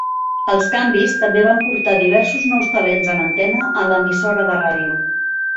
Els canvis també van portar diversos nous talents en antena a l'emissora de ràdio.